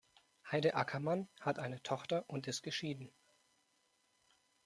Heide Ackermann hat eine Tochter und ist geschieden.